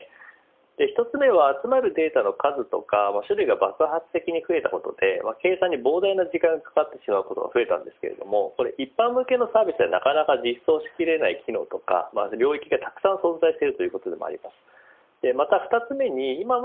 １つ目は集まるデータの数とか種類が爆発的に増えたことで計算に膨大な時間がかかってしまうことが増えたんですけどもこれ一般向けのサービスではなかなか実装できない機能とか領域がたくさん存在しているということになります。